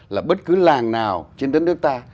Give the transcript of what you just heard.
là bất cứ làng nào trên đất nước ta